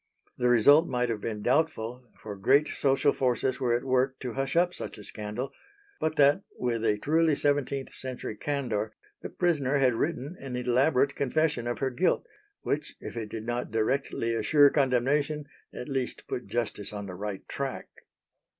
The result might have been doubtful, for great social forces were at work to hush up such a scandal, but that, with a truly seventeenth century candour, the prisoner had written an elaborate confession of her guilt, which if it did not directly assure condemnation at least put justice on the right track.